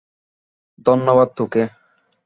ধন্যবাদ, তোকে।